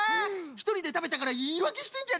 ひとりでたべたからいいわけしてんじゃないの？